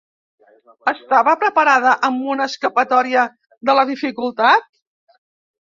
Estava preparada amb una escapatòria de la dificultat?